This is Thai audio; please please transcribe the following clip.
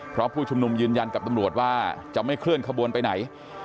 เพราะผู้ชุมนุมยืนยันกับตำรวจว่าจะไม่เคลื่อนขบวนไปไหน